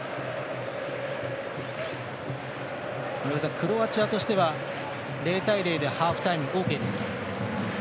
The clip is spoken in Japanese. クロアチアとしては０対０でハーフタイムオーケーですか？